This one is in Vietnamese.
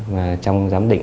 và trong giám định